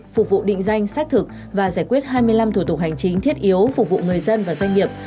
phục vụ định danh xác thực và giải quyết hai mươi năm thủ tục hành chính thiết yếu phục vụ người dân và doanh nghiệp